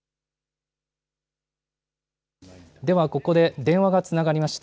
ではここで電話がつながりました。